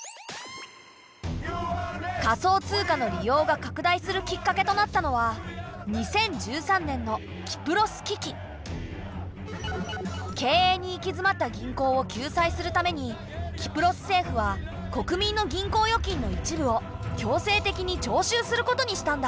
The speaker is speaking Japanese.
仮想通貨の利用が拡大するきっかけとなったのは経営に行きづまった銀行を救済するためにキプロス政府は国民の銀行預金の一部を強制的に徴収することにしたんだ。